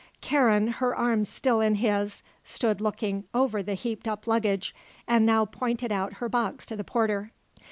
Karen, her arm still in his, stood looking over the heaped up luggage and now pointed out her box to the porter.